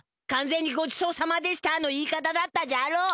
かん全に「ごちそうさまでした」の言い方だったじゃろ？